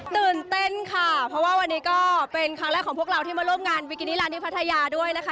ตื่นเต้นค่ะเพราะว่าวันนี้ก็เป็นครั้งแรกของพวกเราที่มาร่วมงานวิกินิลันที่พัทยาด้วยนะคะ